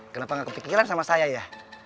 kenapa gak kepikiran sama saya ya